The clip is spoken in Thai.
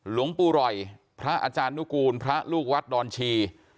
หลวงปู่รอยพระอาจารย์นุกูลพระลูกวัดดอนชี